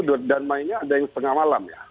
dan mainnya ada yang setengah malam